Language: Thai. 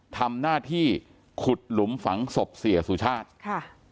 ทำหน้าที่ขุดหลุมฝังศพเสียสุชาติค่ะ